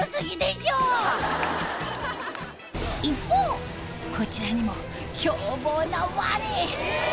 一方こちらにも凶暴なワニ。